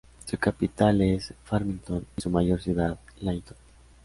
Su capital es Farmington y su mayor ciudad Layton.